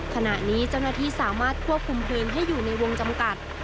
ขณะนี้เจ้าหน้าที่สามารถควบคุมเพลิงให้อยู่ในวงจำกัด